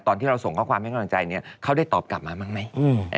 ตอนที่เราส่งข้อความให้กำลังใจเนี่ยเขาได้ตอบกลับมาบ้างไหม